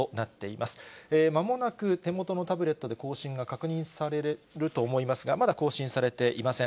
まもなく手元のタブレットで更新が確認されると思いますが、まだ更新されていません。